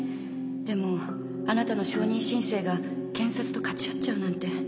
でもあなたの証人申請が検察とかち合っちゃうなんて。